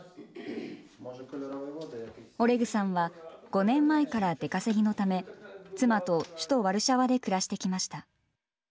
オレグさんは５年前から出稼ぎのため妻と首都ワルシャワで暮らしてきました。